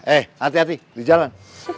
eh hati hati di jalan